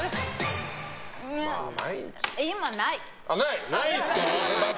今はない。